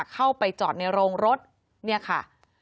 เข้าไปจอดในโรงรถเนี่ยค่ะ